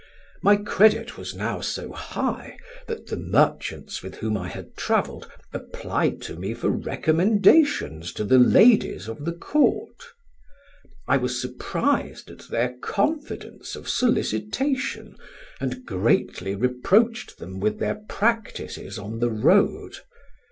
"My credit was now so high that the merchants with whom I had travelled applied to me for recommendations to the ladies of the Court. I was surprised at their confidence of solicitation and greatly reproached them with their practices on the road.